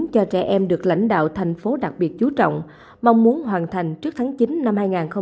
cho trẻ em được lãnh đạo thành phố đặc biệt chú trọng mong muốn hoàn thành trước tháng chín năm hai nghìn hai mươi